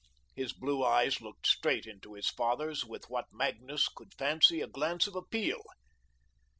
His blue eyes looked straight into his father's with what Magnus could fancy a glance of appeal.